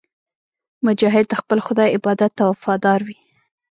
مجاهد د خپل خدای عبادت ته وفادار وي.